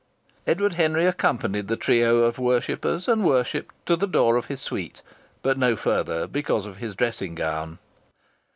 Edward Henry accompanied the trio of worshippers and worshipped to the door of his suite, but no further, because of his dressing gown.